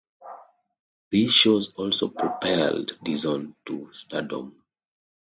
These shows also propelled Dixon to stardom.